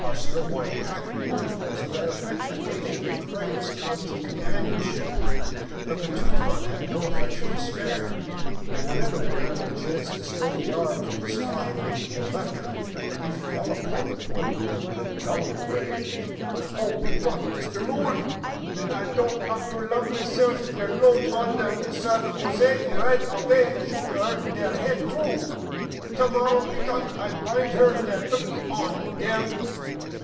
Our snow white pack mule was of that affectionate nature that craves constant companionship. But the Teuton had no affection to spare, and whenever the animal chanced to stray a yard from the spot in which he had left her, he fell upon the poor brute with a bellow of rage: " Oh, py Gott, Mr. Mool ! Ven I don't hat to lug myself der loat all to San Yozay, I rhight avay shoot her der head through. To mor row, py Gott, I bind her der dree on, der